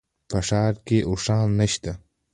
په ښار کي اوښان نشته